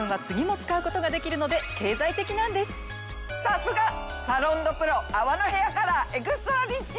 さすがサロンドプロ泡のヘアカラー・エクストラリッチ！